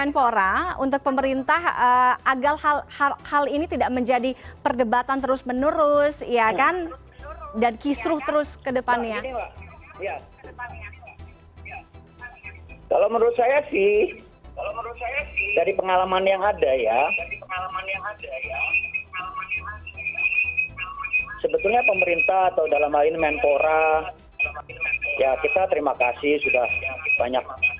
yang ada ya sebetulnya pemerintah atau dalam hal ini mentora ya kita terima kasih sudah banyak